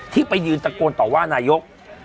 ที่ไปยืนตะโกนต่อว่านายก